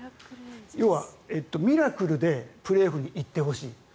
要は、ミラクルでプレーオフに行ってほしい。